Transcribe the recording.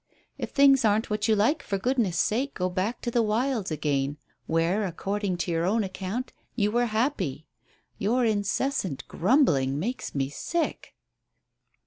If things aren't what you like, for goodness' sake go back to the wilds again, where, according to your own account, you were happy. Your incessant grumbling makes me sick."